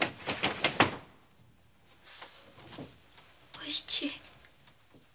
お七！？